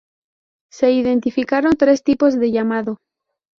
Se identificaron tres tipos de llamado.